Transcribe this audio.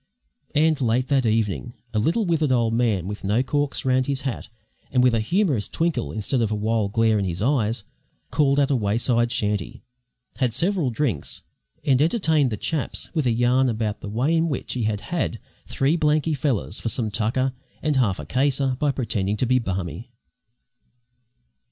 And late that evening a little withered old man with no corks round his hat and with a humourous twinkle instead of a wild glare in his eyes, called at a wayside shanty, had several drinks, and entertained the chaps with a yarn about the way in which he had "had" three "blanky fellers" for some tucker and "half a caser" by pretending to be "barmy."